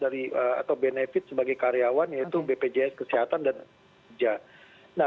diikuti lagi ada biaya fasilitas atau benefit sebagai karyawan yaitu bpjs kesehatan dan kebijakan